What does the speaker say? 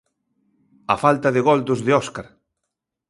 A falta de gol dos de Óscar.